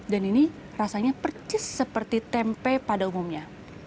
dan ini rasanya percis seperti tempe pada umumnya